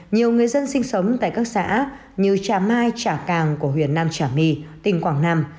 nhiều người dân sinh sống tại các xã như trà mai trả càng của huyện nam trà my tỉnh quảng nam